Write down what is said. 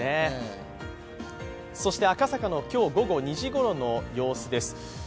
そして赤坂の今日午後２時ごろの様子です。